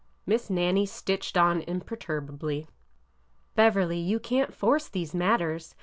Miss Nannie stitched on imperturbably. '' Beverly, you can't force these matters.